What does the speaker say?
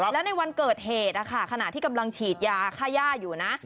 แล้วในวันเกิดเหตุขณะที่กำลังฉีดยาค่าย่าอยู่นะ